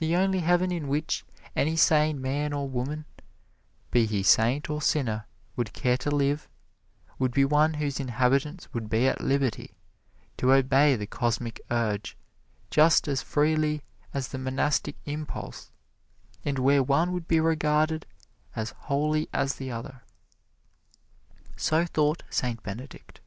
The only heaven in which any sane man or woman, be he saint or sinner, would care to live, would be one whose inhabitants would be at liberty to obey the Cosmic Urge just as freely as the Monastic Impulse, and where one would be regarded as holy as the other. So thought Saint Benedict.